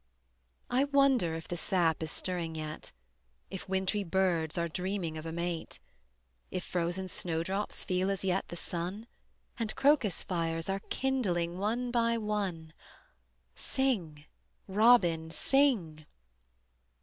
I wonder if the sap is stirring yet, If wintry birds are dreaming of a mate, If frozen snowdrops feel as yet the sun And crocus fires are kindling one by one: Sing, robin, sing!